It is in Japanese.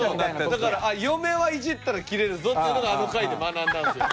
だから嫁はイジったらキレるぞっていうのがあの回で学んだんですよ。